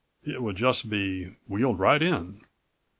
It would just be wheeled right in."